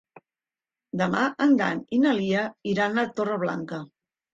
Demà en Dan i na Lia iran a Torreblanca.